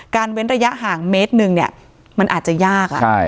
การเว้นระยะห่างเมตรหนึ่งเนี้ยมันอาจจะยากอ่ะใช่